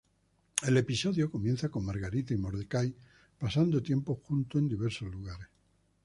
El episodio comienza con Margarita y Mordecai pasando tiempo juntos en diversos lugares.